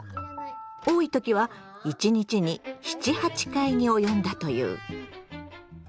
多い時は１日に７８回に及んだという。